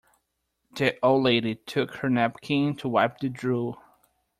The old lady took her napkin to wipe the drool.